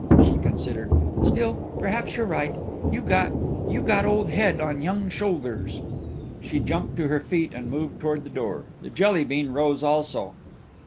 She considered. "Still, perhaps you're right. You got you got old head on young shoulders." She jumped to her feet and moved toward the door. The Jelly bean rose also.